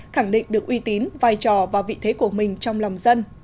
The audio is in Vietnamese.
khẳng định được uy tín vai trò và vị thế của mình trong lòng dân